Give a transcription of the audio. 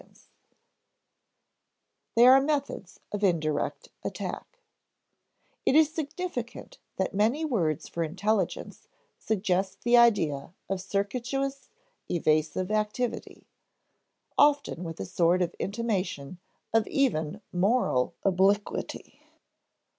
[Sidenote: They are methods of indirect attack] It is significant that many words for intelligence suggest the idea of circuitous, evasive activity often with a sort of intimation of even moral obliquity.